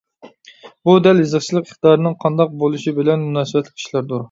بۇ دەل يېزىقچىلىق ئىقتىدارىنىڭ قانداق بولۇشى بىلەن مۇناسىۋەتلىك ئىشلاردۇر.